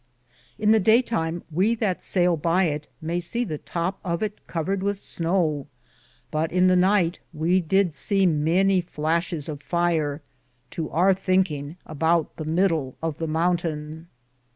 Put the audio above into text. In the Daye time we that sayle by it maye se the topp of it covered with snow, but in the nyghte we did see manye flashis of fiere, to our thinkinge about the mydle of the mountaine.